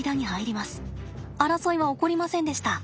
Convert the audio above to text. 争いは起こりませんでした。